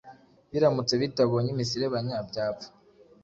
biramutse bitabonye imiserebanya byapfa